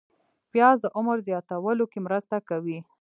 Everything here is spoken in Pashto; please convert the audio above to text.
پیاز د عمر زیاتولو کې مرسته کوي